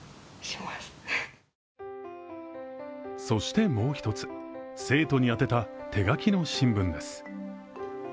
そしてもう一つ、生徒に宛てた手書きの新聞です。